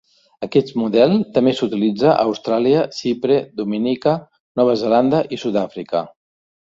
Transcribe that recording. Aquest model també s'utilitza a Austràlia, Xipre, Dominica, Nova Zelanda i Sud-àfrica.